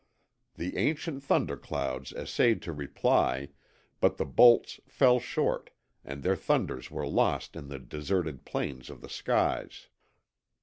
The ancient thunderclouds essayed to reply, but the bolts fell short, and their thunders were lost in the deserted plains of the skies.